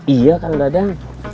iya kang dadang